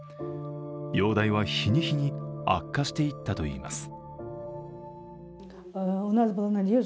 容体は日に日に悪化していったとおいます。